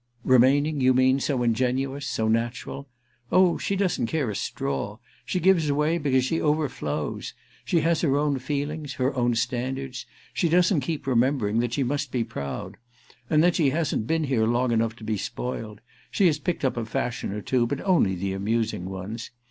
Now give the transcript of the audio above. "Remaining, you mean, so ingenuous—so natural? Oh she doesn't care a straw—she gives away because she overflows. She has her own feelings, her own standards; she doesn't keep remembering that she must be proud. And then she hasn't been here long enough to be spoiled; she has picked up a fashion or two, but only the amusing ones.